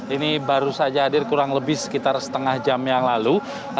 ini baru saja hadir kurang lebih sekitar setengah jam yang lalu